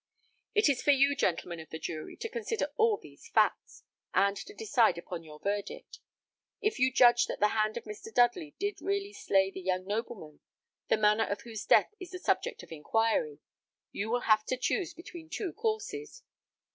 It is for you, gentlemen of the jury, to consider all these facts, and to decide upon your verdict. If you judge that the hand of Mr. Dudley did really slay the young nobleman, the manner of whose death is the subject of inquiry, you will have to choose between two courses.